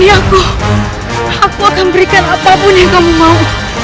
aku akan memberi apa pun yang kau mau